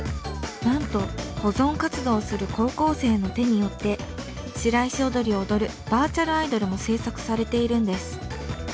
なんと保存活動をする高校生の手によって白石踊を踊るバーチャルアイドルも制作されているんです。